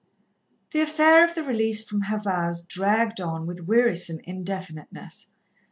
The affair of the release from her vows dragged on with wearisome indefiniteness.